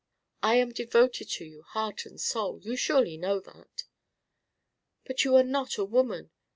I am devoted to you heart and soul. You surely know that." "But you are not a woman.